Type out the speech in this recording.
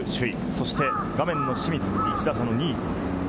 そして画面の清水、１打差の２位。